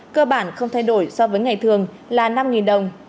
cơ bản không thay đổi so với ngày thường là năm đồng